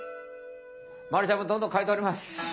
まるちゃんもどんどん描いております。